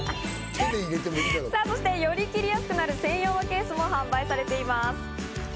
そしてより切りやすくなる専用のケースも販売されています。